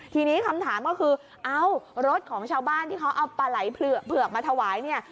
ทีนี้คำถามก็คือเอ้ารถของชาวบ้านที่เขาเอาปลาไหล่เผือกมาถวายเนี่ย